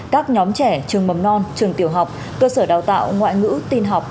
các nhóm trẻ trường mầm non trường tiểu học cơ sở đào tạo ngoại ngữ tin học